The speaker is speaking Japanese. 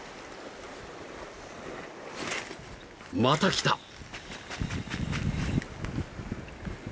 また来た！